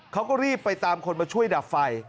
เขาก็รีบไปตามคนมาช่วยดับไฟ